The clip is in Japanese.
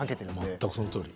全くそのとおり。